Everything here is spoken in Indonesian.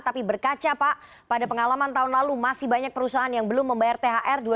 tapi berkaca pak pada pengalaman tahun lalu masih banyak perusahaan yang belum membayar thr dua ribu dua puluh